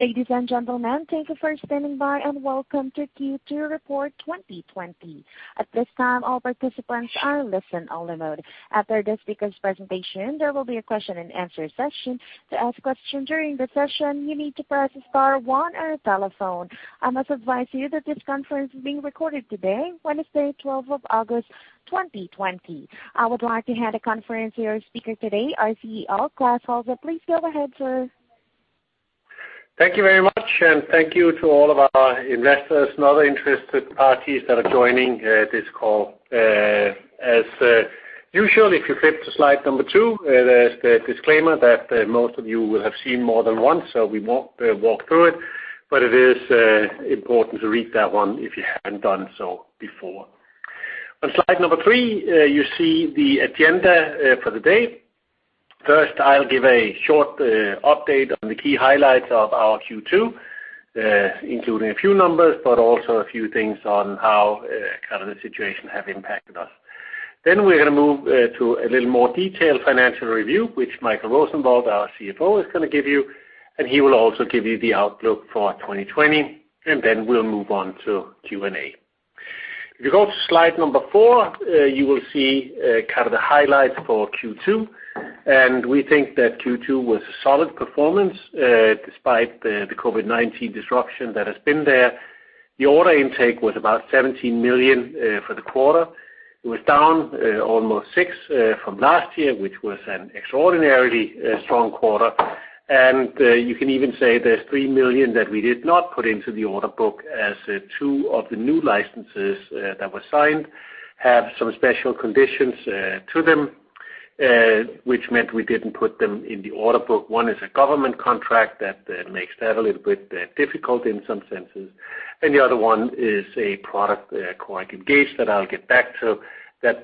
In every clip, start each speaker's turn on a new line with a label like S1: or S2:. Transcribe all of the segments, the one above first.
S1: Ladies and gentlemen, thank you for standing by, and welcome to Q2 report 2020. I must advise you that this conference is being recorded today, Wednesday, 12th of August, 2020. I would like to hand the conference to our speaker today, our CEO, Klaus Holse. Please go ahead, sir.
S2: Thank you very much, and thank you to all of our investors and other interested parties that are joining this call. As usual, if you flip to slide number two, there's the disclaimer that most of you will have seen more than once, so we won't walk through it. It is important to read that one if you hadn't done so before. On slide number three, you see the agenda for the day. First, I'll give a short update on the key highlights of our Q2, including a few numbers, but also a few things on how the situation have impacted us. We're going to move to a little more detailed financial review, which Michael Rosenvold, our CFO, is going to give you, and he will also give you the outlook for 2020, and then we'll move on to Q&A. If you go to slide number four, you will see the highlights for Q2. We think that Q2 was a solid performance despite the COVID-19 disruption that has been there. The order intake was about 17 million for the quarter. It was down almost six from last year, which was an extraordinarily strong quarter. You can even say there's 3 million that we did not put into the order book, as two of the new licenses that were signed have some special conditions to them, which meant we didn't put them in the order book. One is a government contract that makes that a little bit difficult in some senses. The other one is a product, Coric Engage, that I'll get back to. That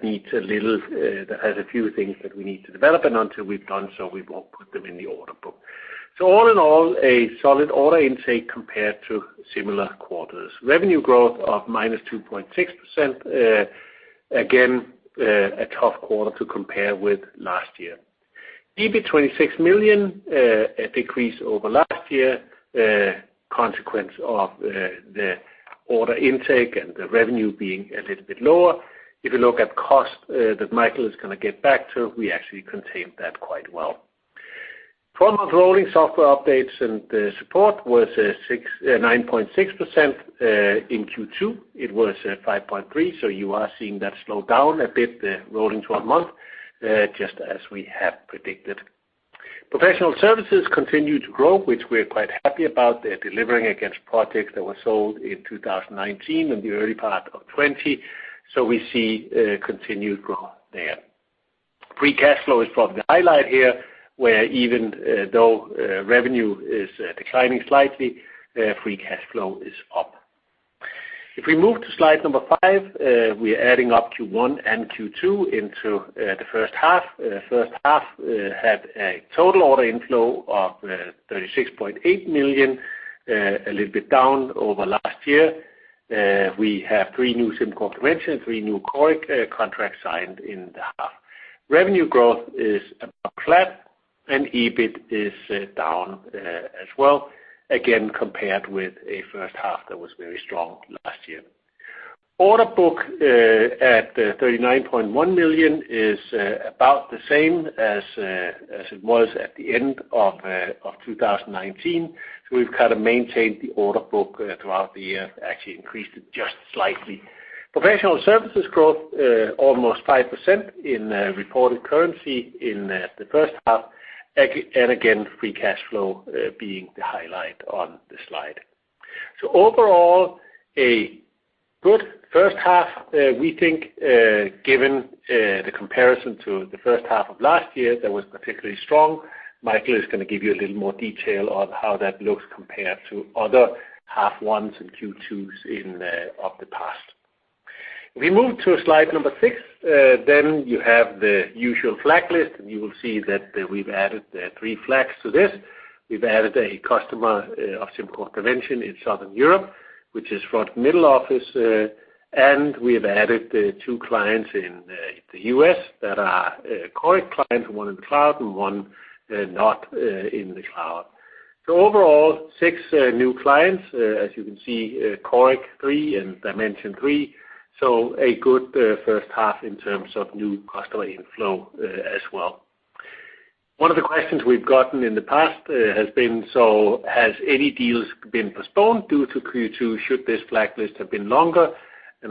S2: has a few things that we need to develop. Until we've done so, we won't put them in the order book. All in all, a solid order intake compared to similar quarters. Revenue growth of -2.6%. Again, a tough quarter to compare with last year. EBIT, 26 million, a decrease over last year, consequence of the order intake and the revenue being a little bit lower. If you look at cost that Michael is going to get back to, we actually contained that quite well. 12-month rolling software updates and support was 9.6% in Q2. It was 5.3%, so you are seeing that slow down a bit, the rolling 12-month, just as we have predicted. Professional services continue to grow, which we're quite happy about. They're delivering against projects that were sold in 2019 and the early part of 2020. We see continued growth there. Free cash flow is probably the highlight here, where even though revenue is declining slightly, free cash flow is up. If we move to slide number five, we're adding up Q1 and Q2 into the first half. First half had a total order inflow of 36.8 million, a little bit down over last year. We have three new SimCorp Dimension, three new Coric contracts signed in the half. Revenue growth is about flat. EBIT is down as well, again, compared with a first half that was very strong last year. Order book at 39.1 million is about the same as it was at the end of 2019. We've kind of maintained the order book throughout the year, actually increased it just slightly. Professional services growth, almost 5% in reported currency in the first half. Again, free cash flow being the highlight on the slide. Overall, a good first half, we think, given the comparison to the first half of last year that was particularly strong. Michael is going to give you a little more detail on how that looks compared to other half ones and Q2s of the past. If we move to slide number six, you have the usual flag list, and you will see that we've added three flags to this. We've added a customer of SimCorp Dimension in Southern Europe, which is front middle office. We've added two clients in the U.S. that are Coric clients, one in the cloud and one not in the cloud. Overall, six new clients. As you can see, Coric 3 and Dimension 3. A good first half in terms of new customer inflow as well. One of the questions we've gotten in the past has been, so has any deals been postponed due to Q2? Should this flag list have been longer?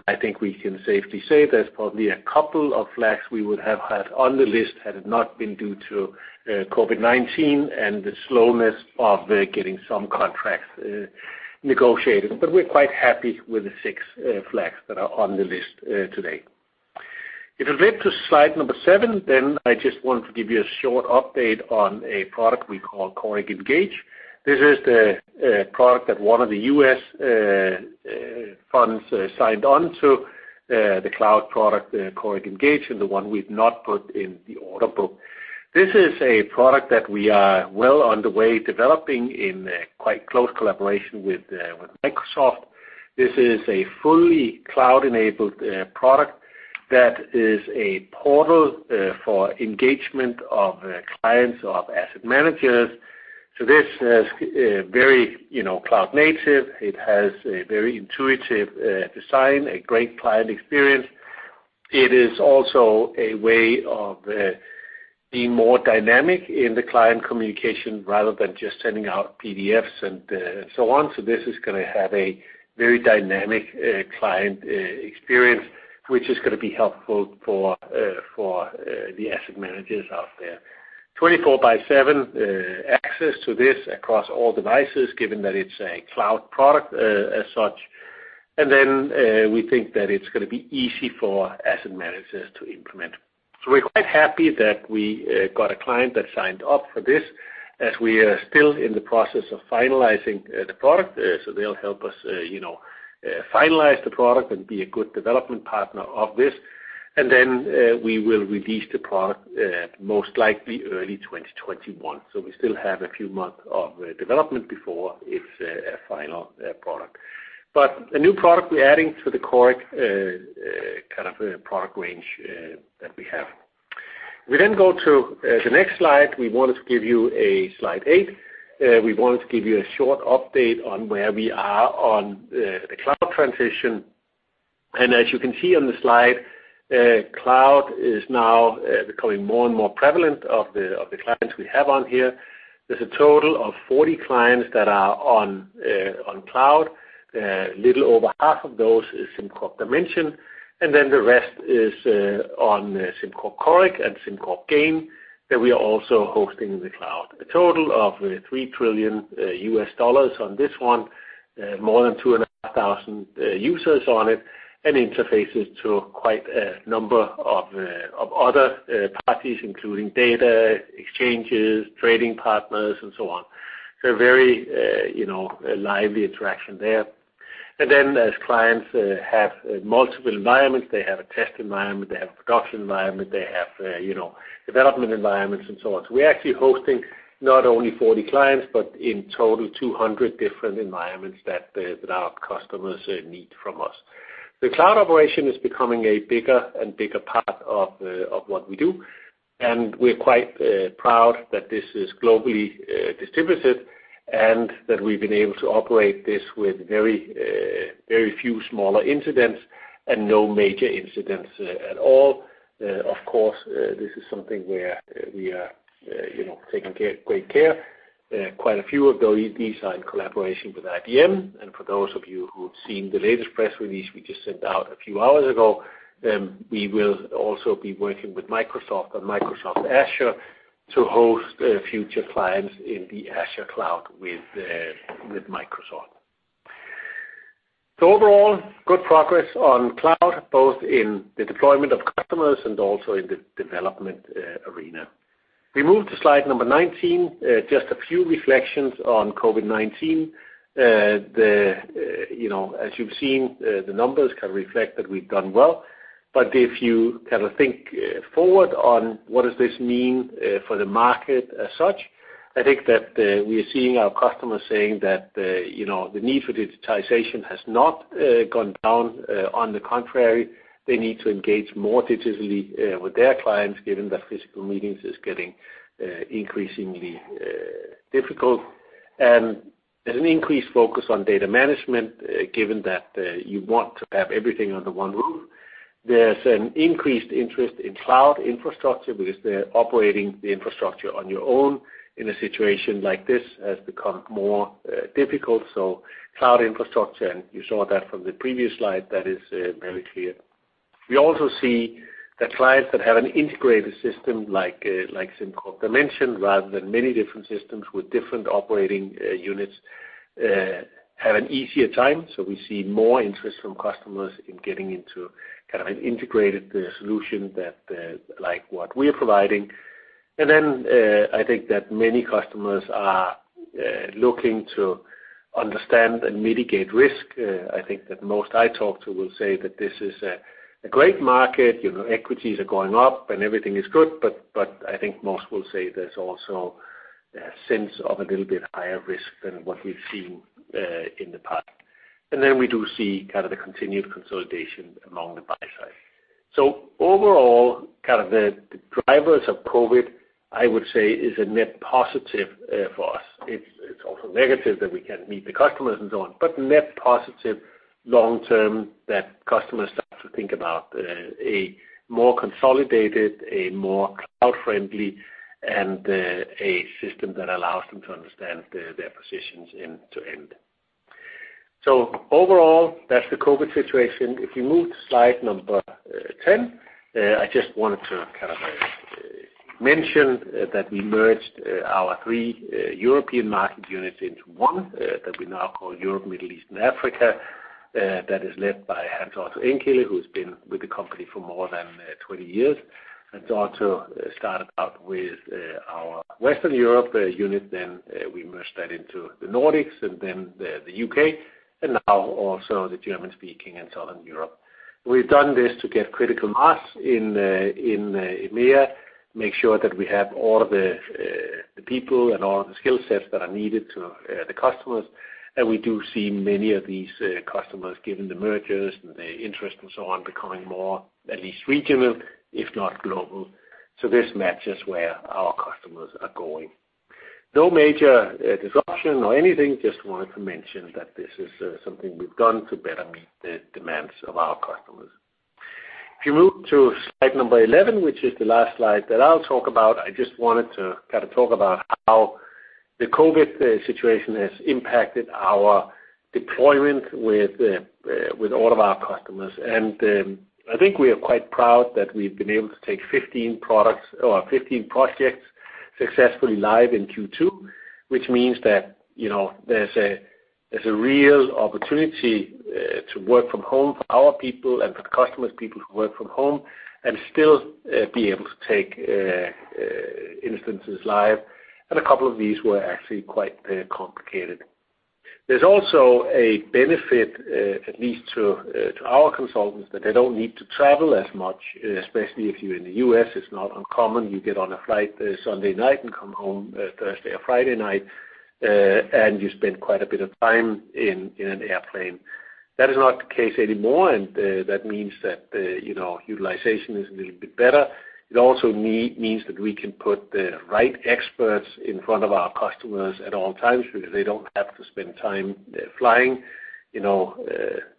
S2: I think we can safely say there's probably a couple of flags we would have had on the list had it not been due to COVID-19 and the slowness of getting some contracts negotiated. We're quite happy with the six flags that are on the list today. If you flip to slide number seven, then I just wanted to give you a short update on a product we call Coric Engage. This is the product that one of the U.S. funds signed on to, the cloud product, Coric Engage, and the one we've not put in the order book. This is a product that we are well on the way developing in quite close collaboration with Microsoft. This is a fully cloud-enabled product that is a portal for engagement of clients of asset managers. This is very cloud-native. It has a very intuitive design, a great client experience. It is also a way of being more dynamic in the client communication rather than just sending out PDFs and so on. This is going to have a very dynamic client experience, which is going to be helpful for the asset managers out there. 24/7 access to this across all devices, given that it's a cloud product as such. We think that it's going to be easy for asset managers to implement. We're quite happy that we got a client that signed up for this as we are still in the process of finalizing the product. They'll help us finalize the product and be a good development partner of this. We will release the product most likely early 2021. We still have a few months of development before it's a final product. A new product we're adding to the Coric kind of product range that we have. If we then go to the next slide. We wanted to give you a slide eight. We wanted to give you a short update on where we are on the cloud transition. As you can see on the slide, cloud is now becoming more and more prevalent of the clients we have on here. There is a total of 40 clients that are on cloud. Little over half of those is SimCorp Dimension, and then the rest is on SimCorp Coric and SimCorp Gain that we are also hosting in the cloud. A total of $3 trillion on this one, more than 2,500 users on it, and interfaces to quite a number of other parties, including data exchanges, trading partners, and so on. So a very lively interaction there. Then as clients have multiple environments, they have a test environment, they have a production environment, they have development environments, and so on. We're actually hosting not only 40 clients, but in total, 200 different environments that our customers need from us. The cloud operation is becoming a bigger and bigger part of what we do, and we're quite proud that this is globally distributed and that we've been able to operate this with very few smaller incidents and no major incidents at all. Of course, this is something where we are taking great care. Quite a few of these are in collaboration with IBM, and for those of you who've seen the latest press release we just sent out a few hours ago, we will also be working with Microsoft on Microsoft Azure to host future clients in the Azure cloud with Microsoft. Overall, good progress on cloud, both in the deployment of customers and also in the development arena. We move to slide number 19, just a few reflections on COVID-19. As you've seen, the numbers kind of reflect that we've done well. If you kind of think forward on what does this mean for the market as such, I think that we are seeing our customers saying that the need for digitization has not gone down. On the contrary, they need to engage more digitally with their clients, given that physical meetings is getting increasingly difficult. There's an increased focus on data management, given that you want to have everything under one roof. There's an increased interest in cloud infrastructure because the operating the infrastructure on your own in a situation like this has become more difficult. Cloud infrastructure, and you saw that from the previous slide, that is very clear. We also see that clients that have an integrated system like SimCorp Dimension rather than many different systems with different operating units have an easier time. We see more interest from customers in getting into kind of an integrated solution like what we are providing. Then I think that many customers are looking to understand and mitigate risk. I think that most I talk to will say that this is a great market. Equities are going up and everything is good, but I think most will say there's also a sense of a little bit higher risk than what we've seen in the past. Then we do see kind of the continued consolidation among the buy side. Overall, kind of the drivers of COVID, I would say, is a net positive for us. It's also negative that we can't meet the customers and so on, but net positive long term, that customers start to think about a more consolidated, a more cloud-friendly, and a system that allows them to understand their positions end-to-end. Overall, that's the COVID situation. If you move to slide number 10, I just wanted to kind of mention that we merged our three European market units into one that we now call Europe, Middle East, and Africa. That is led by Hans Otto Engkilde, who's been with the company for more than 20 years. Hans Otto started out with our Western Europe unit, then we merged that into the Nordics and then the U.K., and now also the German-speaking and Southern Europe. We've done this to get critical mass in EMEA, make sure that we have all the people and all of the skill sets that are needed to the customers. We do see many of these customers, given the mergers and the interest and so on, becoming more at least regional, if not global. This matches where our customers are going. No major disruption or anything, just wanted to mention that this is something we've done to better meet the demands of our customers. If you move to slide number 11, which is the last slide that I'll talk about, I just wanted to talk about how the COVID situation has impacted our deployment with all of our customers. I think we are quite proud that we've been able to take 15 projects successfully live in Q2, which means that there's a real opportunity to work from home for our people and for the customer's people who work from home and still be able to take instances live. A couple of these were actually quite complicated. There's also a benefit, at least to our consultants, that they don't need to travel as much, especially if you're in the U.S., it's not uncommon. You get on a flight Sunday night and come home Thursday or Friday night, and you spend quite a bit of time in an airplane. That is not the case anymore, and that means that utilization is a little bit better. It also means that we can put the right experts in front of our customers at all times because they don't have to spend time flying.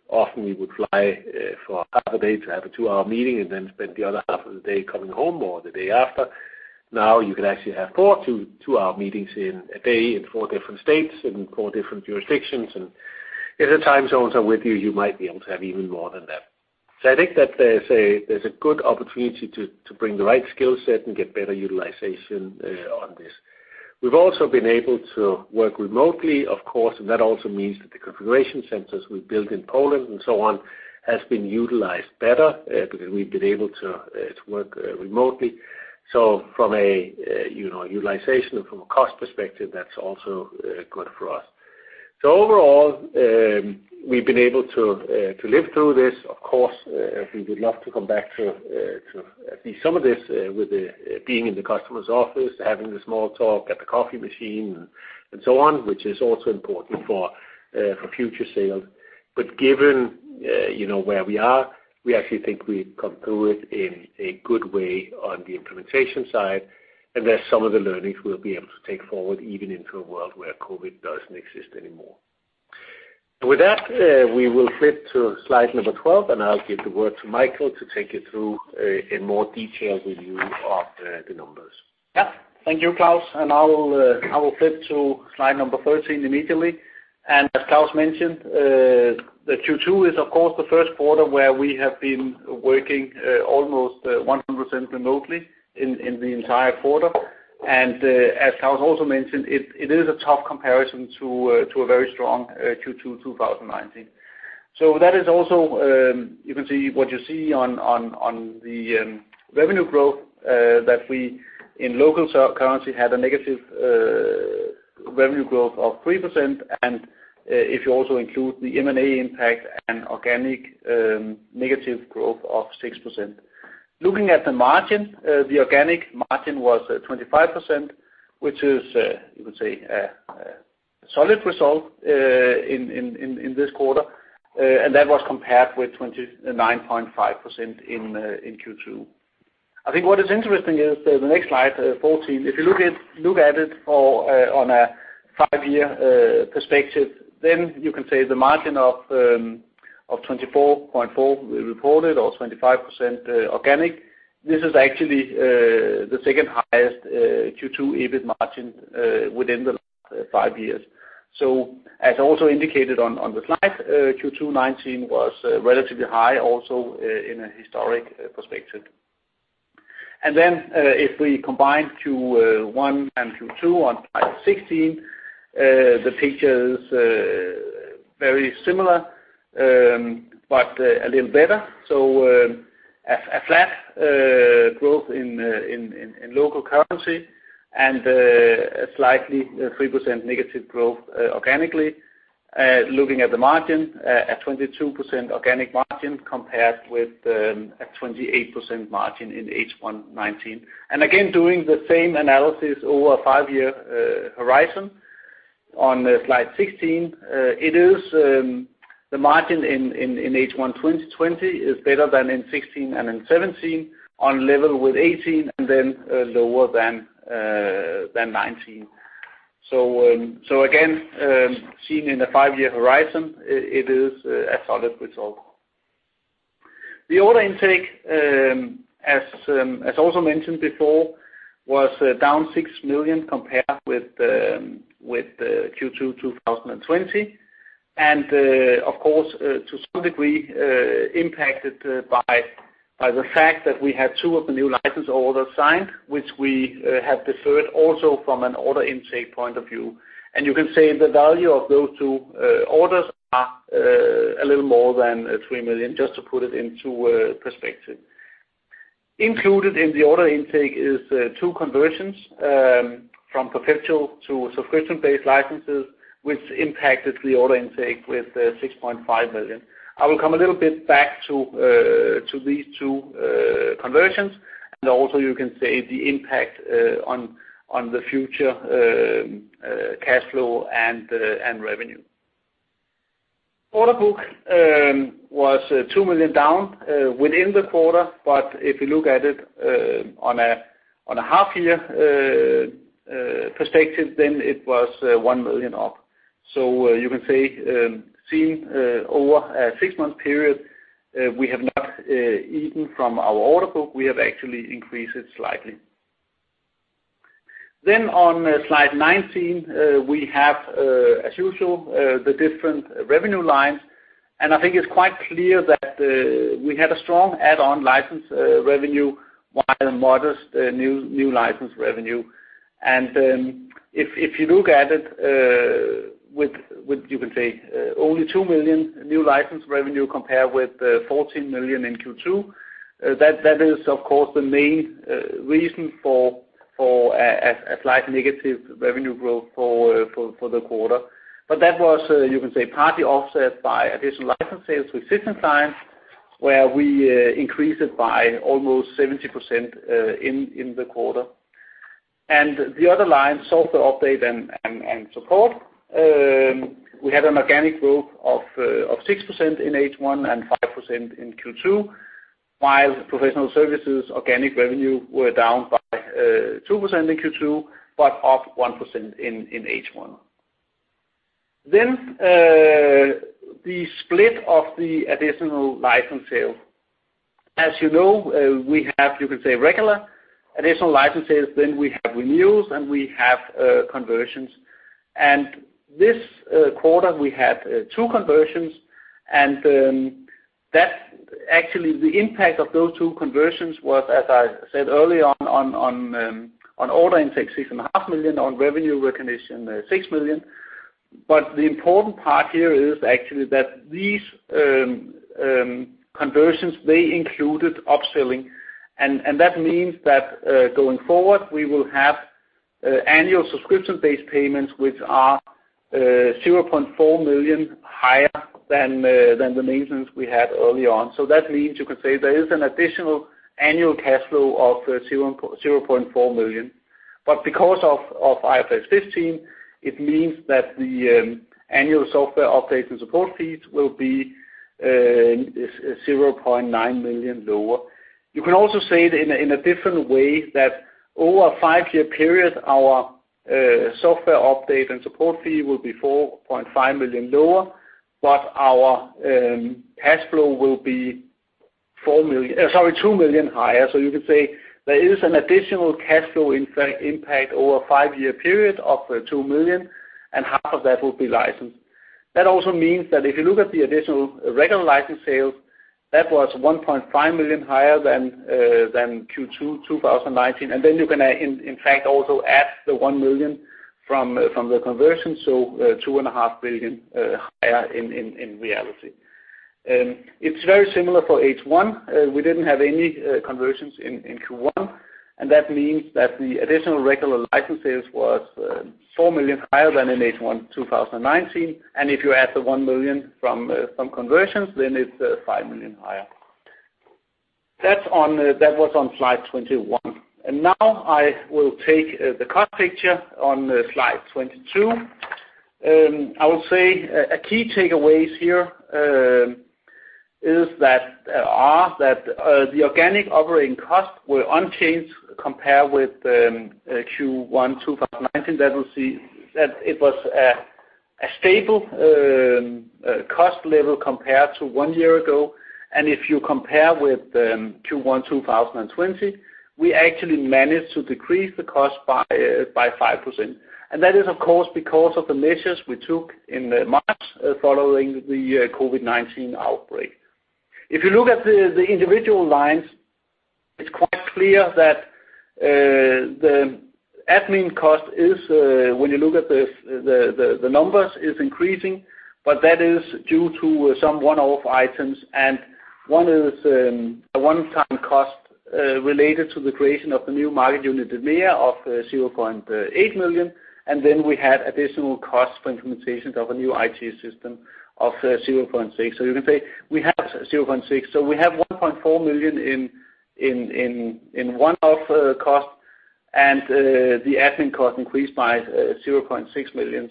S2: Often you would fly for half a day to have a two-hour meeting and then spend the other half of the day coming home or the day after. Now, you can actually have four two-hour meetings in a day in four different states, in four different jurisdictions. If the time zones are with you might be able to have even more than that. I think that there's a good opportunity to bring the right skill set and get better utilization on this. We've also been able to work remotely, of course, and that also means that the configuration centers we've built in Poland and so on has been utilized better because we've been able to work remotely. From a utilization and from a cost perspective, that's also good for us. Overall, we've been able to live through this. Of course, we would love to come back to at least some of this with being in the customer's office, having the small talk at the coffee machine and so on, which is also important for future sales. Given where we are, we actually think we've come through it in a good way on the implementation side, and there's some of the learnings we'll be able to take forward, even into a world where COVID doesn't exist anymore. With that, we will flip to slide number 12, and I'll give the word to Michael to take you through a more detailed review of the numbers.
S3: Yeah. Thank you, Klaus. I will flip to slide 13 immediately. As Klaus mentioned, the Q2 is, of course, the first quarter where we have been working almost 100% remotely in the entire quarter. As Klaus also mentioned, it is a tough comparison to a very strong Q2 2019. That is also, what you see on the revenue growth, that we, in local currency, had a negative revenue growth of 3%. If you also include the M&A impact and organic, negative growth of 6%. Looking at the margin, the organic margin was 25%, which is, you could say, a solid result in this quarter. That was compared with 29.5% in Q2. I think what is interesting is the next slide 14. If you look at it on a five-year perspective, you can say the margin of 24.4% we reported or 25% organic. This is actually the second highest Q2 EBIT margin within the last five years. As also indicated on the slide, Q2 2019 was relatively high, also in a historic perspective. If we combine Q1 and Q2 on slide 16, the picture is very similar, but a little better. A flat growth in local currency and a slightly 3% negative growth organically. Looking at the margin, a 22% organic margin compared with a 28% margin in H1 2019. Again, doing the same analysis over a five-year horizon on slide 16. The margin in H1 2020 is better than in 2016 and in 2017, on level with 2018, and then lower than 2019. Again, seeing in the five-year horizon, it is a solid result. The order intake, as also mentioned before, was down 6 million compared with Q2 2020, and of course, to some degree, impacted by the fact that we had two of the new license orders signed, which we have deferred also from an order intake point of view. You can say the value of those two orders are a little more than 3 million, just to put it into perspective. Included in the order intake is two conversions from perpetual to subscription-based licenses, which impacted the order intake with 6.5 million. I will come a little bit back to these two conversions. Also you can say the impact on the future cash flow and revenue. Order book was 2 million down within the quarter, but if you look at it on a half-year perspective, then it was 1 million up. You can say, seeing over a six-month period, we have not eaten from our order book. We have actually increased it slightly. On slide 19, we have, as usual, the different revenue lines, and I think it's quite clear that we had a strong add-on license revenue, while a modest new license revenue. If you look at it with, you can say, only 2 million new license revenue compared with 14 million in Q2, that is, of course, the main reason for a slight negative revenue growth for the quarter. That was, you can say, partly offset by additional license sales with existing clients, where we increased it by almost 70% in the quarter. The other line, software update and support, we had an organic growth of 6% in H1 and 5% in Q2, while professional services organic revenue were down by 2% in Q2, but up 1% in H1. The split of the additional license sale. As you know, we have, you can say, regular additional license sales, then we have renewals, and we have conversions. This quarter, we had two conversions, and actually, the impact of those two conversions was, as I said early on order intake, 6.5 million, on revenue recognition, 6 million. The important part here is actually that these conversions, they included upselling, and that means that going forward, we will have annual subscription-based payments which are 0.4 million higher than the maintenance we had early on. That means you can say there is an additional annual cash flow of 0.4 million. Because of IFRS 15, it means that the annual software update and support fees will be 0.9 million lower. You can also say it in a different way, that over a five-year period, our software update and support fee will be 4.5 million lower, but our cash flow will be 2 million higher. You can say there is an additional cash flow impact over a five-year period of 2 million, and half of that will be licensed. That also means that if you look at the additional regular license sales, that was 1.5 million higher than Q2 2019. You can, in fact, also add the 1 million from the conversion, so 2.5 million higher in reality. It's very similar for H1. We didn't have any conversions in Q1, and that means that the additional regular license sales was 4 million higher than in H1 2019. If you add the 1 million from conversions, then it's 5 million higher. That was on slide 21. Now I will take the cost picture on slide 22. I will say a key takeaway here are that the organic operating costs were unchanged compared with Q1 2019. That will see that it was a stable cost level compared to one year ago, and if you compare with Q1 2020, we actually managed to decrease the cost by 5%. That is, of course, because of the measures we took in March following the COVID-19 outbreak. If you look at the individual lines, it's quite clear that the admin cost is, when you look at the numbers, is increasing, but that is due to some one-off items, and one is a one-time cost related to the creation of the new market unit in EMEA of 0.8 million. We had additional costs for implementations of a new IT system of 0.6. You can say we have 0.6. We have 1.4 million in one-off cost and the admin cost increased by 0.6 million.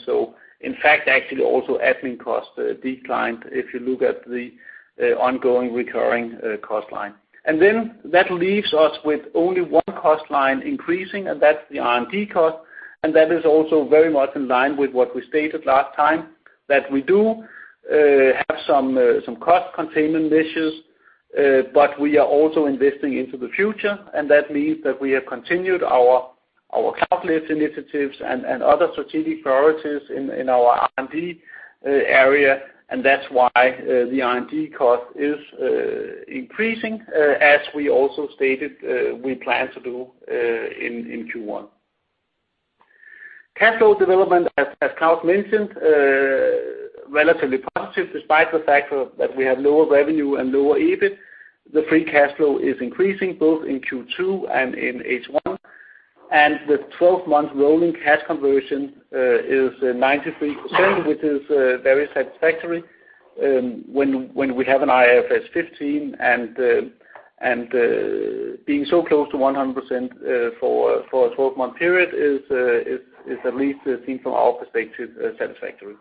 S3: In fact, actually also admin cost declined if you look at the ongoing recurring cost line. That leaves us with only one cost line increasing, and that's the R&D cost, and that is also very much in line with what we stated last time, that we do have some cost containment issues, but we are also investing into the future, and that means that we have continued our cloud-led initiatives and other strategic priorities in our R&D area, and that's why the R&D cost is increasing, as we also stated we plan to do in Q1. Cash flow development, as Klaus mentioned, relatively positive despite the fact that we have lower revenue and lower EBIT. The free cash flow is increasing both in Q2 and in H1, and the 12-month rolling cash conversion is 93%, which is very satisfactory when we have an IFRS 15 and being so close to 100% for a 12-month period is at least, seen from our perspective, satisfactory.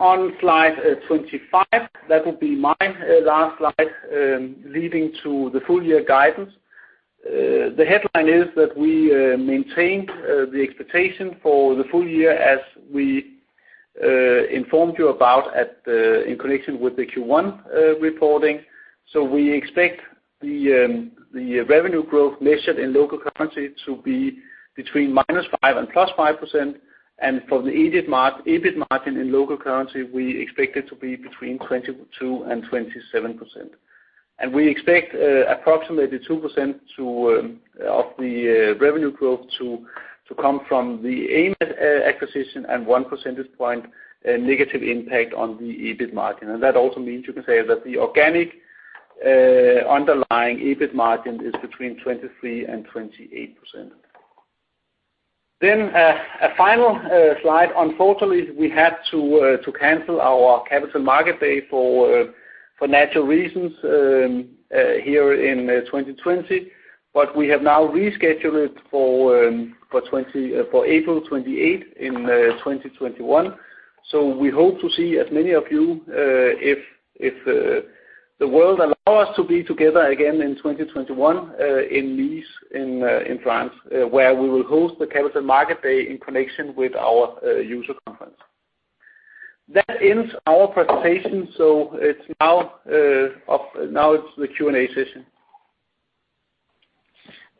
S3: On slide 25, that will be my last slide, leading to the full year guidance. The headline is that we maintained the expectation for the full year as we informed you about in connection with the Q1 reporting. We expect the revenue growth measured in local currency to be between -5% and +5%. For the EBIT margin in local currency, we expect it to be between 22% and 27%. We expect approximately 2% of the revenue growth to come from the AIM Software acquisition and 1 percentage point negative impact on the EBIT margin. That also means you can say that the organic underlying EBIT margin is between 23% and 28%. A final slide. Unfortunately, we had to cancel our Capital Market Day for natural reasons here in 2020. We have now rescheduled it for April 28 in 2021. We hope to see as many of you, if the world allows us to be together again in 2021, in Nice, in France, where we will host the Capital Market Day in connection with our user conference. That ends our presentation. Now it's the Q&A session.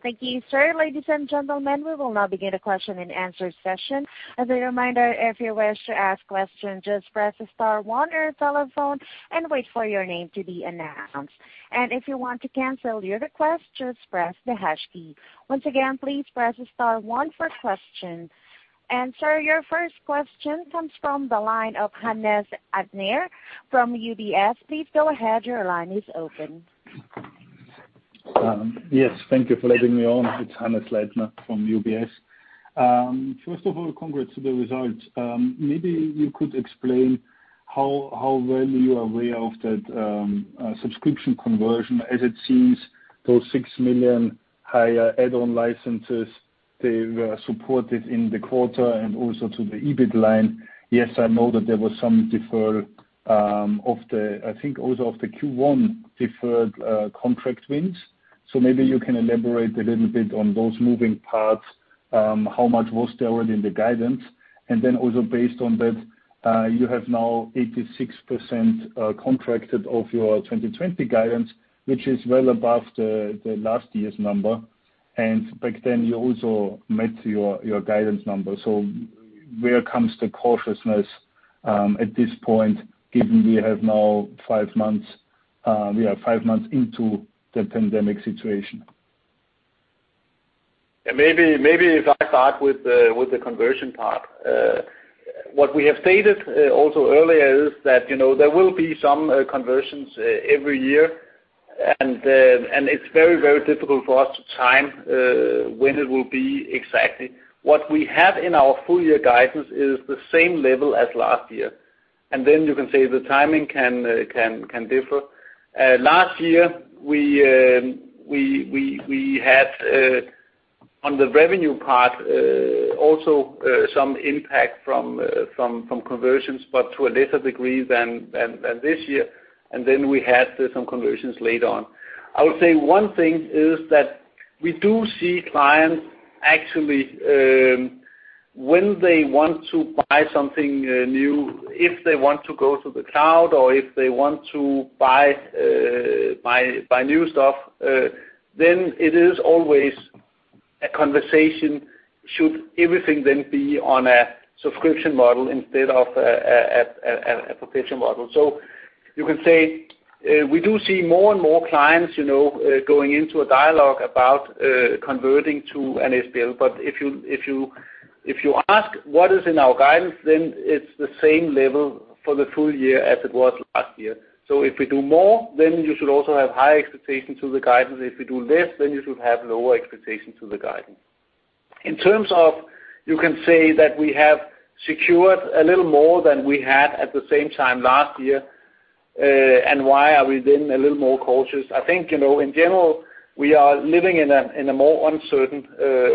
S1: Thank you, sir. Ladies and gentlemen, we will now begin a question-and-answer session. As a reminder, if you wish to ask questions, just press star one on your telephone and wait for your name to be announced. If you want to cancel your request, just press the hash key. Once again, please press star one for questions. Sir, your first question comes from the line of Hannes Leitner from UBS. Please go ahead. Your line is open.
S4: Yes, thank you for letting me on. It's Hannes Leitner from UBS. First of all, congrats on the results. Maybe you could explain how well you are aware of that subscription conversion. As it seems, those 6 million higher add-on licenses, they were supported in the quarter and also to the EBIT line. Yes, I know that there was some deferral, I think also of the Q1 deferred contract wins. Maybe you can elaborate a little bit on those moving parts, how much was already in the guidance? Also based on that, you have now 86% contracted of your 2020 guidance, which is well above the last year's number. Back then you also met your guidance number. Where comes the cautiousness at this point, given we are five months into the pandemic situation?
S3: Maybe if I start with the conversion part. What we have stated also earlier is that there will be some conversions every year, and it's very, very difficult for us to time when it will be exactly. What we have in our full year guidance is the same level as last year. You can say the timing can differ. Last year, we had, on the revenue part, also some impact from conversions, but to a lesser degree than this year. We had some conversions later on. I would say one thing is that we do see clients actually, when they want to buy something new, if they want to go to the cloud or if they want to buy new stuff, then it is always a conversation, should everything then be on a subscription model instead of a perpetual model? You can say, we do see more and more clients going into a dialogue about converting to an SPL. If you ask what is in our guidance, it's the same level for the full year as it was last year. If we do more, you should also have high expectations of the guidance. If we do less, you should have lower expectations of the guidance. In terms of, you can say that we have secured a little more than we had at the same time last year, why are we a little more cautious? I think, in general, we are living in a more uncertain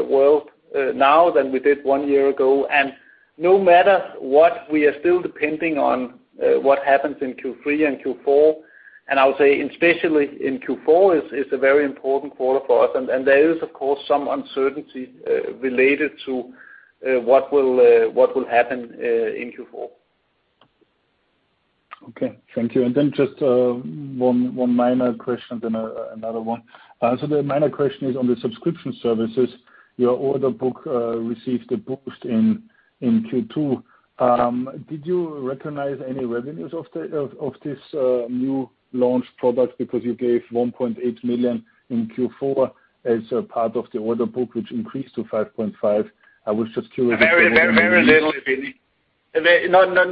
S3: world now than we did one year ago. No matter what, we are still depending on what happens in Q3 and Q4. I would say especially in Q4, it's a very important quarter for us. There is, of course, some uncertainty related to what will happen in Q4.
S4: Okay. Thank you. Just one minor question, then another one. The minor question is on the subscription services. Your order book received a boost in Q2. Did you recognize any revenues of this new launch product because you gave 1.8 million in Q4 as a part of the order book, which increased to 5.5 million? I was just curious.
S3: Very little, if any.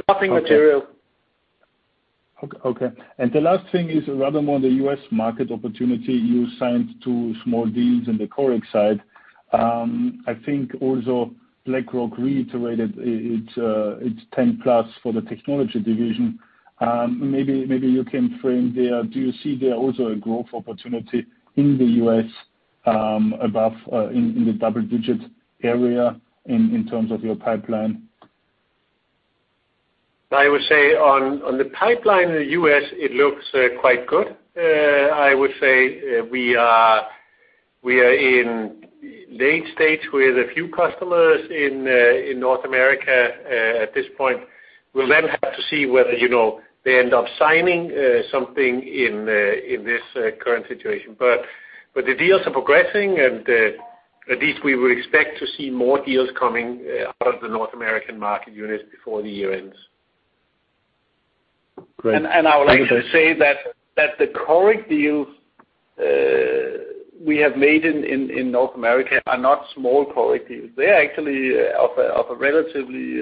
S3: Nothing material.
S4: Okay. The last thing is rather more on the U.S. market opportunity. You signed two small deals on the Coric side. I think also BlackRock reiterated its 10+ for the technology division. Maybe you can frame there, do you see there also a growth opportunity in the U.S. above in the double-digit area in terms of your pipeline?
S2: I would say on the pipeline in the U.S., it looks quite good. I would say we are in late stage with a few customers in North America at this point. We'll have to see whether they end up signing something in this current situation. The deals are progressing, and at least we would expect to see more deals coming out of the North American market units before the year ends.
S4: Great.
S2: I would like to say that the Coric deals we have made in North America are not small Coric deals. They're actually of a relatively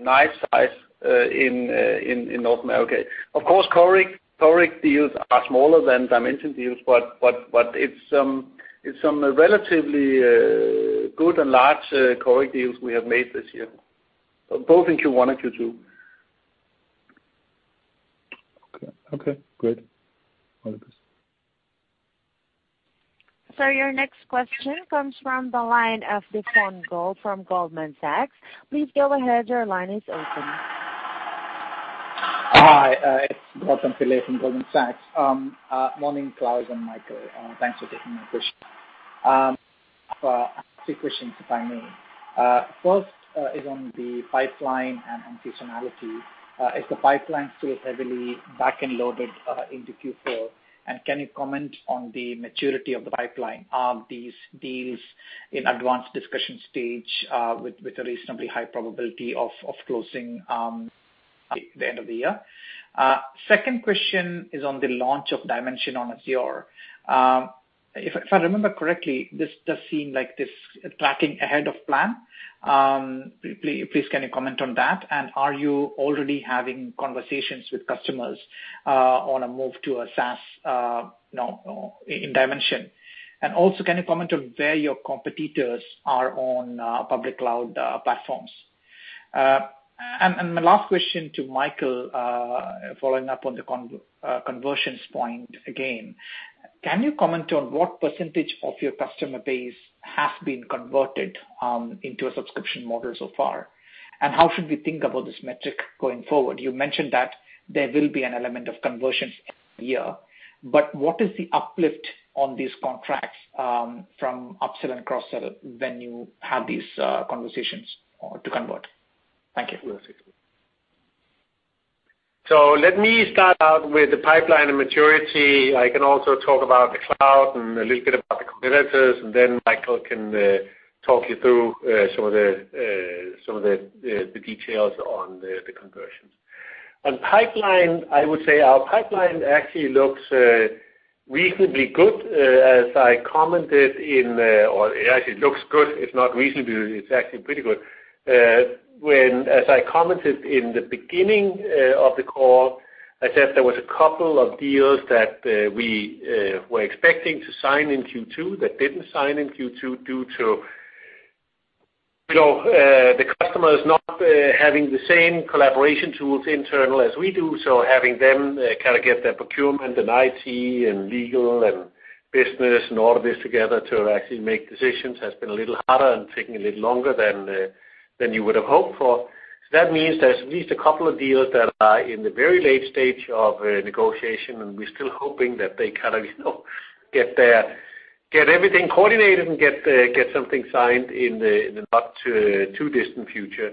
S2: nice size in North America. Of course, Coric deals are smaller than Dimension deals, but it's some relatively good and large Coric deals we have made this year, both in Q1 and Q2.
S4: Okay, great. All the best.
S1: Your next question comes from the line of [Vikas Gole] from Goldman Sachs. Please go ahead, your line is open.
S5: Hi, it's [Vikas Gole] from Goldman Sachs. Morning, Klaus and Michael. Thanks for taking my question. I have three questions, if I may. First is on the pipeline and seasonality. Is the pipeline still heavily back-end loaded into Q4? Can you comment on the maturity of the pipeline? Are these deals in advanced discussion stage with a reasonably high probability of closing by the end of the year? Second question is on the launch of Dimension on Azure. If I remember correctly, this does seem like this is tracking ahead of plan. Please, can you comment on that? Are you already having conversations with customers on a move to a SaaS in Dimension? Also, can you comment on where your competitors are on public cloud platforms? My last question to Michael, following up on the conversions point again. Can you comment on what percentage of your customer base has been converted into a subscription model so far? How should we think about this metric going forward? You mentioned that there will be an element of conversions every year, but what is the uplift on these contracts from upsell and cross-sell when you have these conversations to convert? Thank you.
S2: Let me start out with the pipeline and maturity. I can also talk about the cloud and a little bit about the competitors, and then Michael can talk you through some of the details on the conversions. On pipeline, I would say our pipeline actually looks reasonably good. Actually, it looks good. It's not reasonably, it's actually pretty good. As I commented in the beginning of the call, I said there was a couple of deals that we were expecting to sign in Q2 that didn't sign in Q2 due to the customers not having the same collaboration tools internal as we do. Having them get their procurement and IT and legal and business, and all of this together to actually make decisions has been a little harder and taking a little longer than you would have hoped for. That means there's at least a couple of deals that are in the very late stage of negotiation, and we're still hoping that they get everything coordinated and get something signed in the not-too-distant future.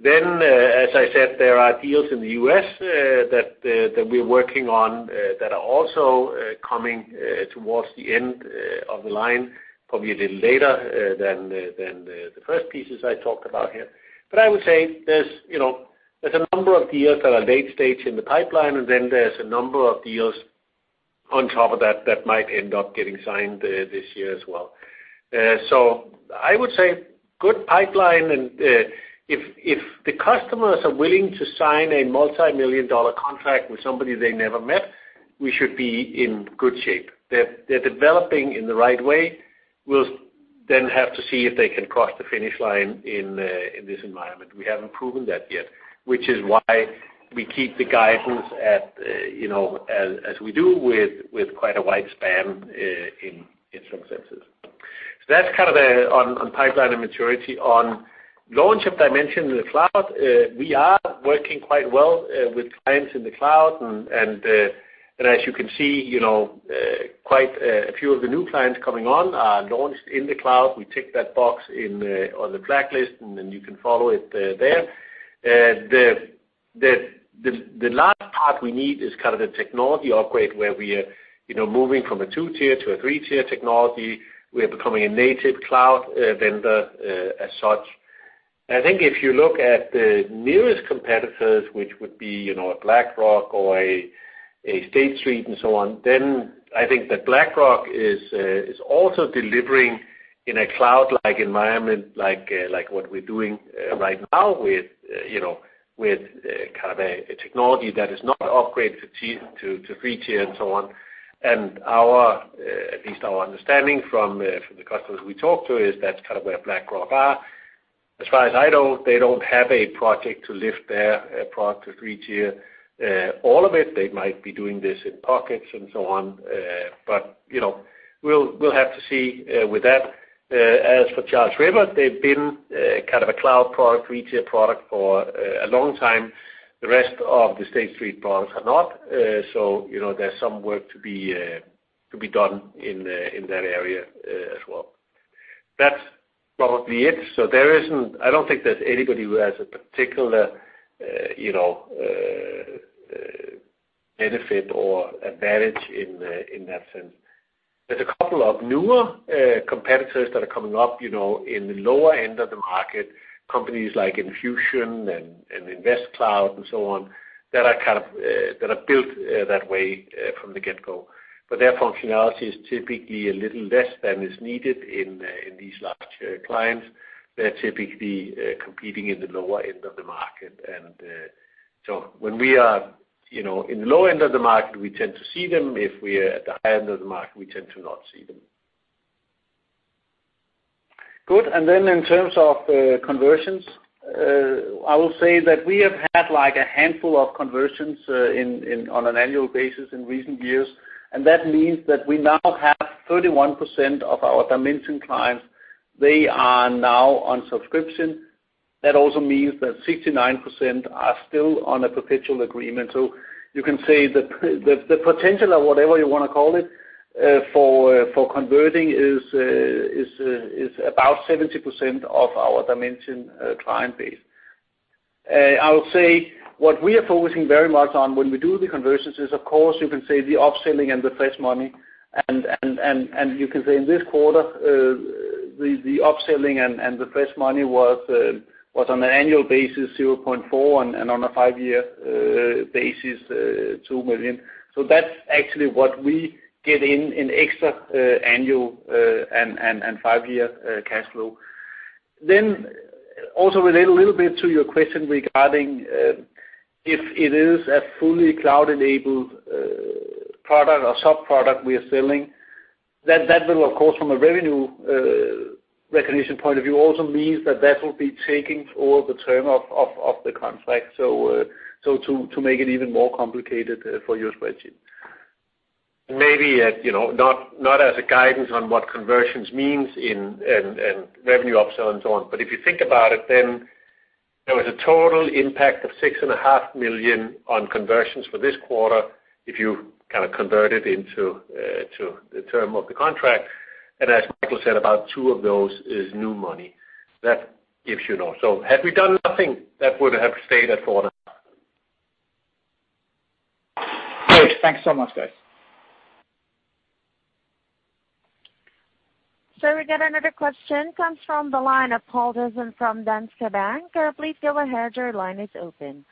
S2: As I said, there are deals in the U.S. that we're working on that are also coming towards the end of the line, probably a little later than the first pieces I talked about here. I would say there's a number of deals that are late stage in the pipeline, and there's a number of deals on top of that that might end up getting signed this year as well. I would say good pipeline, and if the customers are willing to sign a multimillion-dollar contract with somebody they never met, we should be in good shape. They're developing in the right way. We'll have to see if they can cross the finish line in this environment. We haven't proven that yet, which is why we keep the guidance as we do with quite a wide span in some senses. That's kind of on pipeline and maturity. On launch of Dimension in the cloud, we are working quite well with clients in the cloud, and as you can see, quite a few of the new clients coming on are launched in the cloud. We tick that box on the checklist, then you can follow it there. The last part we need is kind of the technology upgrade where we are moving from a two-tier to a three-tier technology. We are becoming a native cloud vendor as such. I think if you look at the nearest competitors, which would be a BlackRock or a State Street and so on, I think that BlackRock is also delivering in a cloud-like environment, like what we're doing right now with a technology that is not upgraded to three-tier and so on. At least our understanding from the customers we talk to is that's kind of where BlackRock are. As far as I know, they don't have a project to lift their product to three-tier all of it. They might be doing this in pockets and so on. We'll have to see with that. As for Charles River, they've been kind of a cloud product, three-tier product for a long time. The rest of the State Street products are not. There's some work to be done in that area as well. That's probably it. I don't think there's anybody who has a particular benefit or advantage in that sense. There's a couple of newer competitors that are coming up in the lower end of the market, companies like Enfusion and InvestCloud and so on, that are built that way from the get-go. Their functionality is typically a little less than is needed in these large clients. They're typically competing in the lower end of the market. When we are in the low end of the market, we tend to see them. If we're at the high end of the market, we tend to not see them. Good. In terms of conversions, I will say that we have had a handful of conversions on an annual basis in recent years, and that means that we now have 31% of our Dimension clients. They are now on subscription. That also means that 69% are still on a perpetual agreement. You can say the potential, or whatever you want to call it, for converting is about 70% of our SimCorp Dimension client base. I'll say what we are focusing very much on when we do the conversions is, of course, you can say the upselling and the fresh money. You can say in this quarter, the upselling and the fresh money was on an annual basis, 0.4, and on a five-year basis, 2 million. That's actually what we get in extra annual and five-year cash flow. Also relate a little bit to your question regarding if it is a fully cloud-enabled product or sub-product we are selling, that will, of course, from a revenue recognition point of view, also means that that will be taking all the term of the contract. To make it even more complicated for your spreadsheet. Maybe not as a guidance on what conversions means in revenue upsell and so on. If you think about it, then there was a total impact of six and a half million on conversions for this quarter if you convert it into the term of the contract. As Michael said, about EUR two of those is new money. That gives you an idea. Had we done nothing, that would have stayed at 4.5.
S5: Great. Thanks so much, guys.
S1: We got another question, comes from the line of Poul Jessen from Danske Bank. Please go ahead. Your line is open.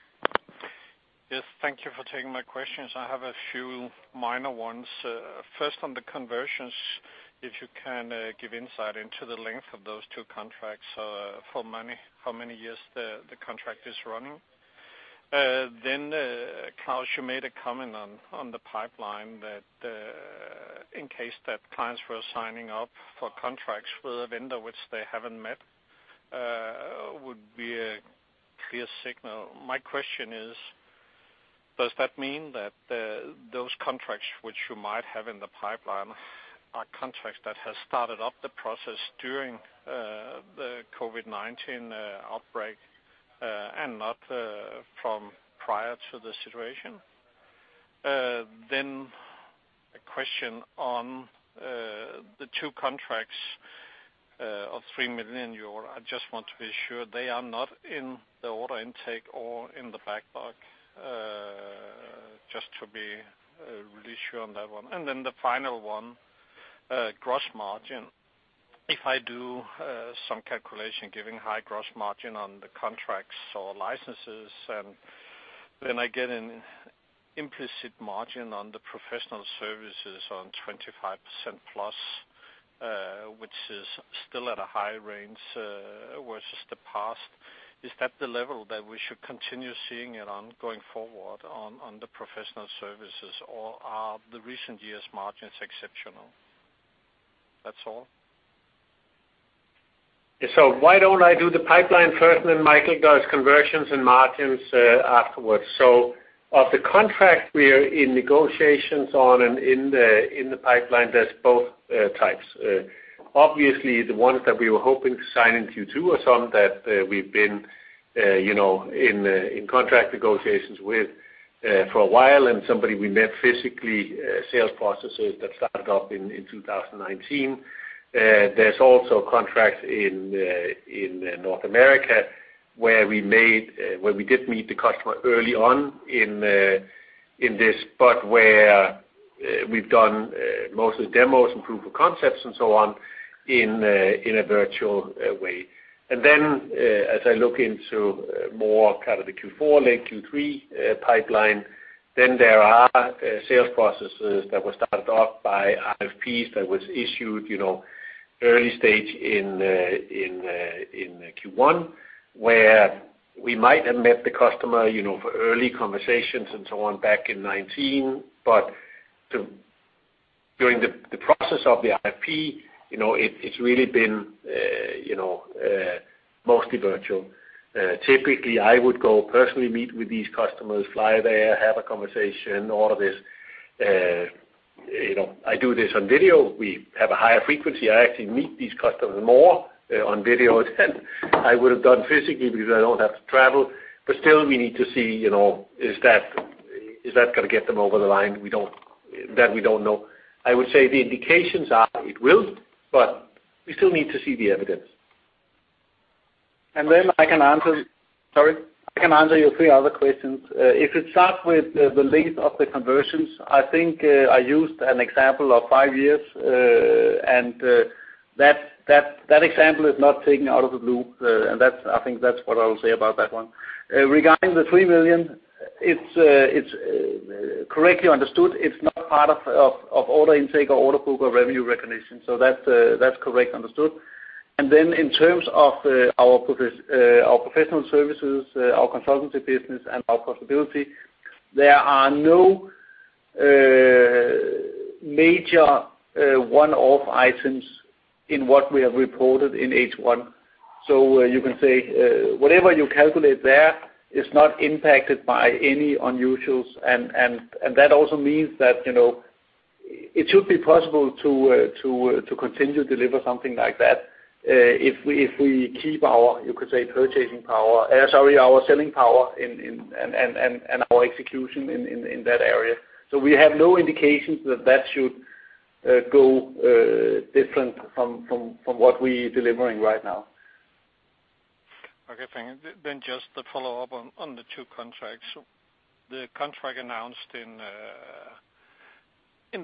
S6: Yes. Thank you for taking my questions. I have a few minor ones. First, on the conversions, if you can give insight into the length of those two contracts. For how many years the contract is running? Klaus, you made a comment on the pipeline that in case that clients were signing up for contracts with a vendor which they haven't met, would be a clear signal. My question is, does that mean that those contracts which you might have in the pipeline are contracts that have started up the process during the COVID-19 outbreak, and not from prior to the situation? A question on the two contracts of 3 million euro. I just want to be sure they are not in the order intake or in the backlog. Just to be really sure on that one. The final one, gross margin. If I do some calculation giving high gross margin on the contracts or licenses, I get an implicit margin on the professional services on 25% plus, which is still at a high range versus the past. Is that the level that we should continue seeing it on going forward on the professional services, or are the recent years' margins exceptional? That's all.
S2: Why don't I do the pipeline first, then Michael does conversions and margins afterwards. Of the contract we are in negotiations on and in the pipeline, there's both types. Obviously, the ones that we were hoping to sign in Q2 are some that we've been in contract negotiations with for a while and somebody we met physically, sales processes that started up in 2019. There's also contracts in North America where we did meet the customer early on in this, but where we've done most of the demos and proof of concepts and so on in a virtual way. Then as I look into more kind of the Q4, late Q3 pipeline, then there are sales processes that were started off by RFPs that was issued early stage in Q1, where we might have met the customer for early conversations and so on back in 2019. During the process of the RFP, it's really been mostly virtual. Typically, I would go personally meet with these customers, fly there, have a conversation, all of this. I do this on video. We have a higher frequency. I actually meet these customers more on video than I would've done physically because I don't have to travel, but still we need to see, is that going to get them over the line? That we don't know. I would say the indications are it will, but we still need to see the evidence.
S3: I can answer.
S2: Sorry.
S3: I can answer your three other questions. If it starts with the length of the conversions, I think I used an example of five years, that example is not taken out of the blue. I think that's what I'll say about that one. Regarding the 3 million, it's correctly understood, it's not part of order intake or order book or revenue recognition. That's correctly understood. Then in terms of our professional services, our consultancy business, and our profitability, there are no major one-off items in what we have reported in H1. You can say, whatever you calculate there, it's not impacted by any unusuals. That also means that it should be possible to continue to deliver something like that if we keep our, you could say, selling power and our execution in that area. We have no indications that that should go different from what we delivering right now.
S6: Okay, thank you. Just to follow up on the two contracts. The contract announced in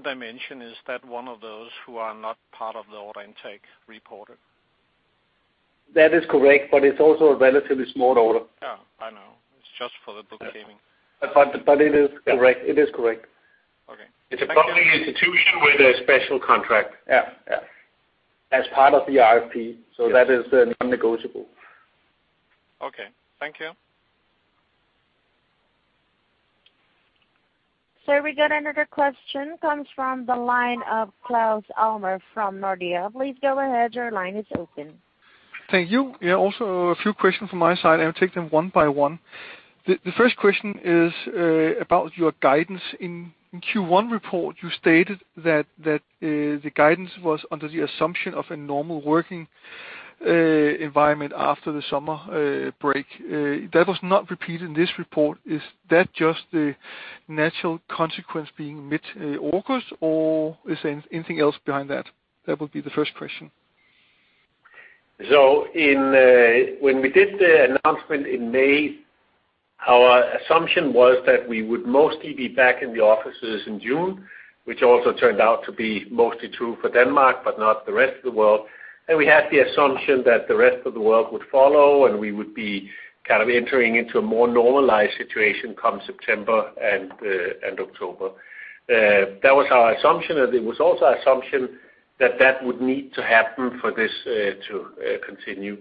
S6: Dimension, is that one of those who are not part of the order intake reported?
S3: That is correct, but it's also a relatively small order.
S6: Yeah, I know. It's just for the bookkeeping.
S3: It is correct.
S6: Okay.
S2: It's a public institution with a special contract.
S3: Yeah. As part of the RFP, that is non-negotiable.
S6: Okay. Thank you.
S1: Sir, we got another question, comes from the line of Claus Almer from Nordea. Please go ahead. Your line is open.
S7: Thank you. Yeah, also a few questions from my side. I will take them one by one. The first question is about your guidance. In Q1 report, you stated that the guidance was under the assumption of a normal working environment after the summer break. That was not repeated in this report. Is that just the natural consequence being mid August, or is anything else behind that? That would be the first question.
S2: When we did the announcement in May, our assumption was that we would mostly be back in the offices in June, which also turned out to be mostly true for Denmark, but not the rest of the world. We had the assumption that the rest of the world would follow, and we would be kind of entering into a more normalized situation come September and October. That was our assumption, and it was also our assumption that that would need to happen for this to continue.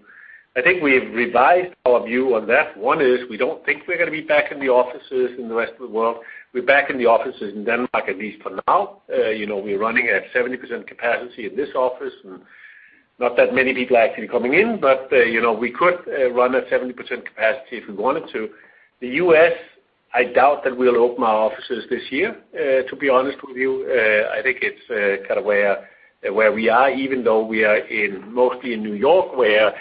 S2: I think we've revised our view on that. One is, we don't think we're going to be back in the offices in the rest of the world. We're back in the offices in Denmark, at least for now. We're running at 70% capacity in this office, and not that many people are actually coming in. We could run at 70% capacity if we wanted to. The U.S., I doubt that we'll open our offices this year, to be honest with you. I think it's kind of where we are, even though we are mostly in New York where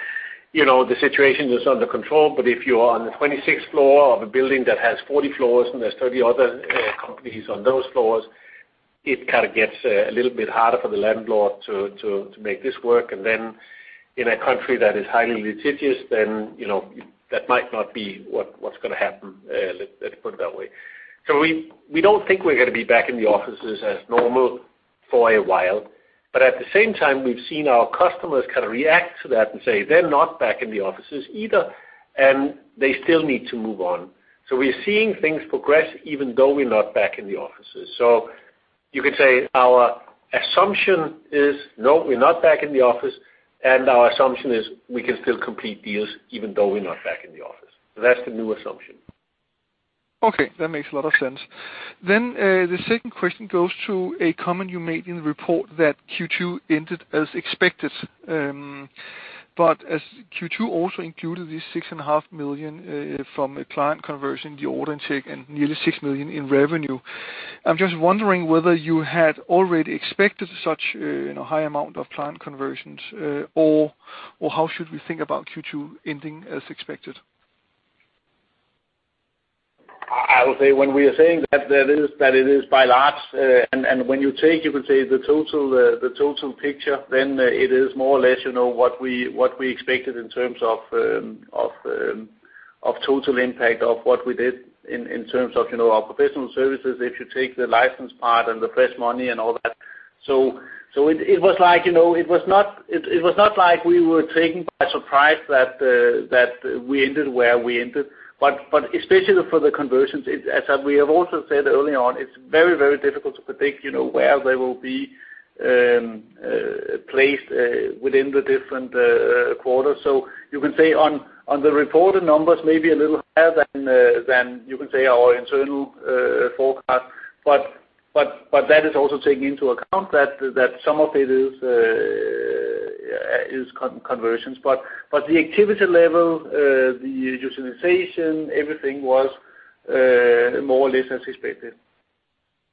S2: the situation is under control. If you are on the 26th floor of a building that has 40 floors, and there's 30 other companies on those floors, it kind of gets a little bit harder for the landlord to make this work. In a country that is highly litigious, then that might not be what's going to happen. Let's put it that way. We don't think we're going to be back in the offices as normal for a while, but at the same time, we've seen our customers kind of react to that and say they're not back in the offices either, and they still need to move on. We're seeing things progress even though we're not back in the offices. You could say our assumption is, no, we're not back in the office, and our assumption is we can still complete deals even though we're not back in the office. That's the new assumption.
S7: Okay. That makes a lot of sense. The second question goes to a comment you made in the report that Q2 ended as expected. As Q2 also included this six and a half million from a client conversion, the order intake, and nearly 6 million in revenue. I am just wondering whether you had already expected such a high amount of client conversions, or how should we think about Q2 ending as expected?
S2: I would say when we are saying that it is by and large, and when you take you could say the total picture, then it is more or less what we expected in terms of total impact of what we did in terms of our professional services if you take the license part and the fresh money and all that. It was not like we were taken by surprise that we ended where we ended. Especially for the conversions, as we have also said early on, it's very, very difficult to predict where they will be.
S3: Placed within the different quarters. You can say on the reported numbers, maybe a little higher than you can say our internal forecast. That is also taking into account that some of it is conversions. The activity level, the utilization, everything was more or less as expected.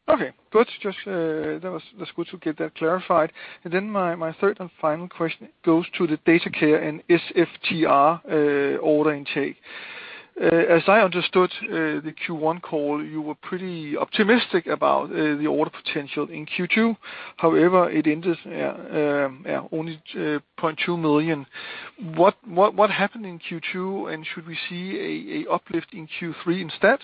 S7: Okay, good. That's good to get that clarified. My third and final question goes to the DataCare and SFTR order intake. As I understood the Q1 call, you were pretty optimistic about the order potential in Q2. However, it ended at only 0.2 million. What happened in Q2, and should we see a uplift in Q3 instead?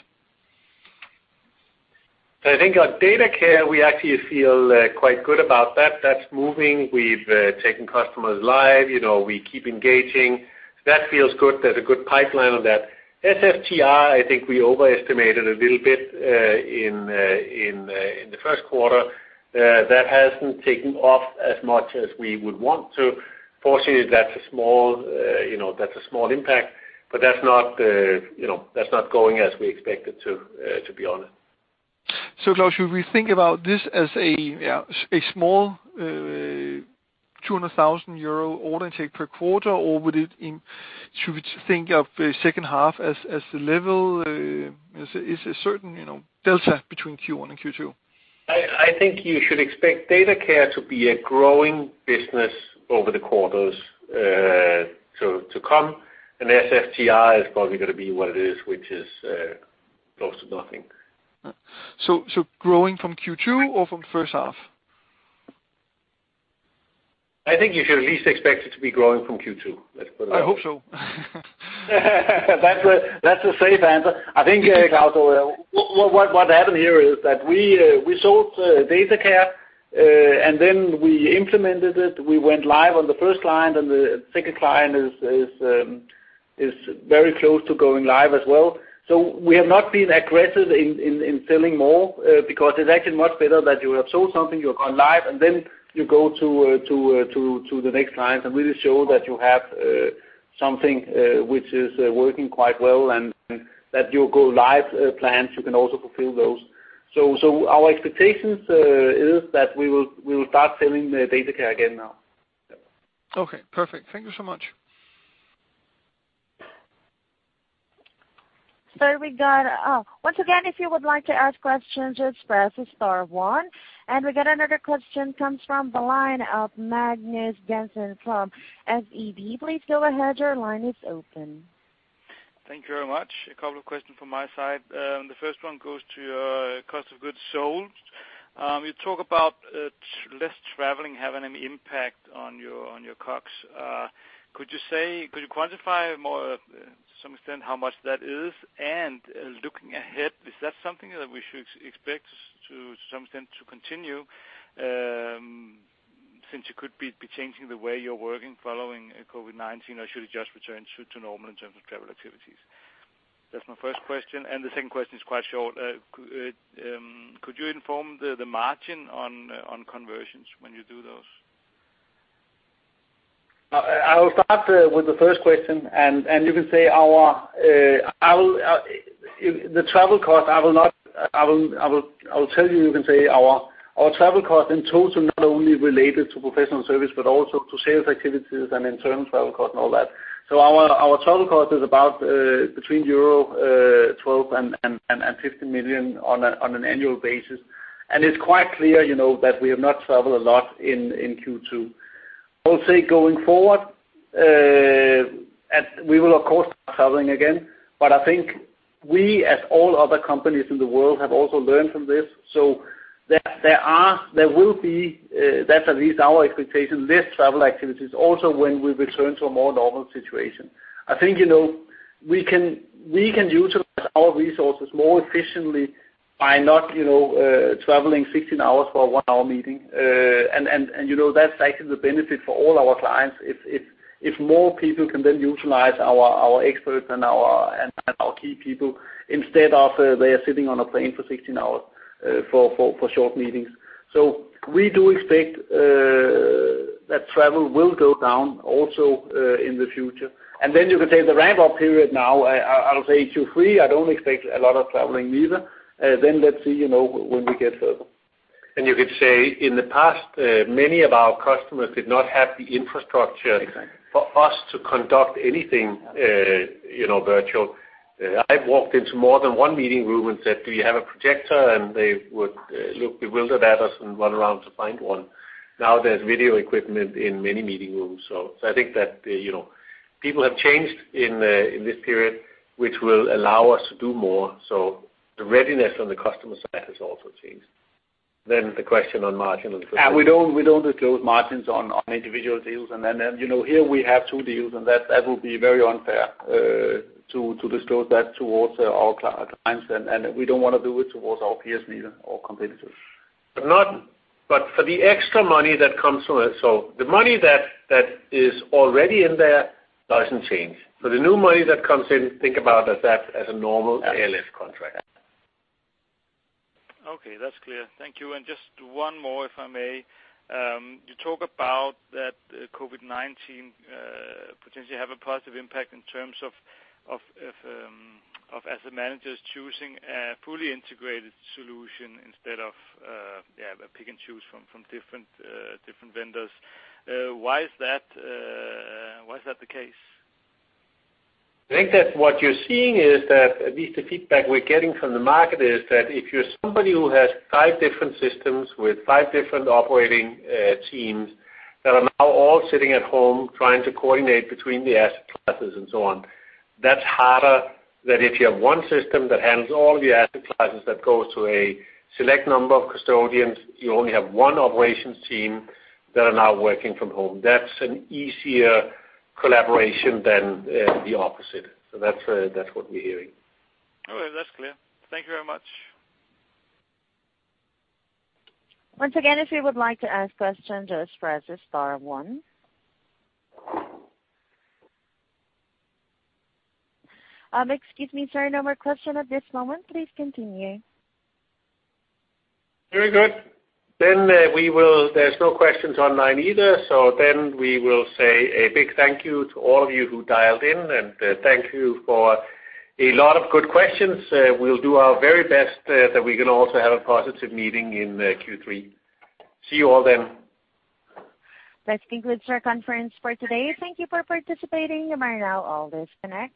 S3: I think our DataCare, we actually feel quite good about that. That's moving. We've taken customers live. We keep engaging. That feels good. There's a good pipeline on that. SFTR, I think we overestimated a little bit in the first quarter. That hasn't taken off as much as we would want to. Fortunately, that's a small impact, but that's not going as we expected, to be honest.
S7: Klaus, should we think about this as a small 200,000 euro order intake per quarter, or should we think of the second half as the level is a certain delta between Q1 and Q2?
S3: I think you should expect Datacare to be a growing business over the quarters to come. SFTR is probably going to be what it is, which is close to nothing.
S7: Growing from Q2 or from first half?
S3: I think you should at least expect it to be growing from Q2. Let's put it that way.
S7: I hope so.
S3: That's the safe answer. I think, Klaus, what happened here is that we sold DataCare, and then we implemented it. We went live on the first client, and the second client is very close to going live as well. We have not been aggressive in selling more because it's actually much better that you have sold something, you've gone live, and then you go to the next client and really show that you have something which is working quite well, and that your go-live plans, you can also fulfill those. Our expectations is that we will start selling DataCare again now.
S7: Okay, perfect. Thank you so much.
S1: Once again, if you would like to ask questions, just press star one. We got another question, comes from the line of Magnus Jensen from SEB. Please go ahead. Your line is open.
S8: Thank you very much. A couple of questions from my side. The first one goes to your cost of goods sold. You talk about less traveling having an impact on your COGS. Could you quantify more to some extent how much that is? Looking ahead, is that something that we should expect to some extent to continue since you could be changing the way you're working following COVID-19, or should it just return to normal in terms of travel activities? That's my first question. The second question is quite short. Could you inform the margin on conversions when you do those?
S3: I will start with the first question, and you can say the travel cost, I will tell you can say our travel cost in total, not only related to professional service but also to sales activities and internal travel cost and all that. Our travel cost is about between euro 12 million and 15 million on an annual basis. It's quite clear that we have not traveled a lot in Q2. I'll say going forward, we will of course start traveling again, but I think we, as all other companies in the world, have also learned from this. There will be, that's at least our expectation, less travel activities also when we return to a more normal situation. I think we can utilize our resources more efficiently by not traveling 16 hours for a one-hour meeting. That's actually the benefit for all our clients if more people can then utilize our experts and our key people instead of they are sitting on a plane for 16 hours for short meetings. We do expect that travel will go down also in the future. Then you can take the ramp-up period now, I'll say Q3, I don't expect a lot of traveling either. Let's see when we get further.
S2: You could say, in the past, many of our customers did not have the infrastructure.
S3: Exactly
S2: for us to conduct anything virtual. I've walked into more than one meeting room and said, "Do you have a projector?" They would look bewildered at us and run around to find one. Now there's video equipment in many meeting rooms. I think that people have changed in this period, which will allow us to do more. The readiness on the customer side has also changed. The question on margin on the first one.
S3: We don't disclose margins on individual deals. Here we have two deals and that would be very unfair to disclose that towards our clients, and we don't want to do it towards our peers neither, or competitors.
S2: For the extra money that comes from it, so the money that is already in there doesn't change. The new money that comes in, think about that as a normal ALS contract.
S8: Okay. That's clear. Thank you. Just one more, if I may. You talk about that COVID-19 potentially have a positive impact in terms of asset managers choosing a fully integrated solution instead of pick and choose from different vendors. Why is that the case?
S2: I think that what you're seeing is that, at least the feedback we're getting from the market is that if you're somebody who has five different systems with five different operating teams that are now all sitting at home trying to coordinate between the asset classes and so on, that's harder than if you have one system that handles all the asset classes that goes to a select number of custodians. You only have one operations team that are now working from home. That's an easier collaboration than the opposite. That's what we're hearing.
S8: All right. That's clear. Thank you very much.
S1: Once again, if you would like to ask questions, just press star one. Excuse me, sir, no more question at this moment. Please continue.
S3: Very good. There's no questions online either, so then we will say a big thank you to all of you who dialed in, and thank you for a lot of good questions. We'll do our very best that we can also have a positive meeting in Q3. See you all then.
S1: This concludes our conference for today. Thank you for participating. You may now all disconnect.